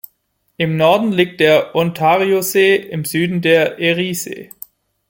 Im Norden liegt der Ontariosee, im Süden der Eriesee.